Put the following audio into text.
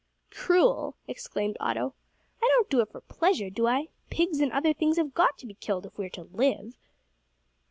"Cruel!" exclaimed Otto, "I don't do it for pleasure, do I? Pigs and other things have got to be killed if we are to live."